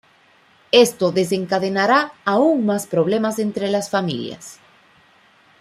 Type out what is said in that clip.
Esto desencadenará aún más problemas entre las familias.